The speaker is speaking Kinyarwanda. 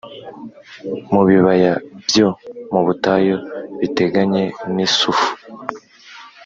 mu bibaya byo mu butayu biteganye n i Sufu